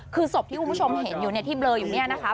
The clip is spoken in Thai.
คือศพที่คุณผู้ชมเห็นอยู่เนี่ยที่เบลออยู่เนี่ยนะคะ